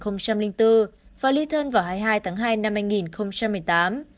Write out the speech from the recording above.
năm hai nghìn bốn và ly thơn vào hai mươi hai tháng hai năm hai nghìn một mươi tám